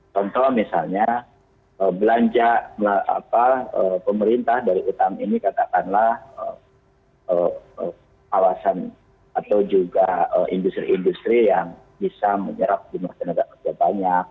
contoh misalnya belanja pemerintah dari utang ini katakanlah kawasan atau juga industri industri yang bisa menyerap jumlah tenaga kerja banyak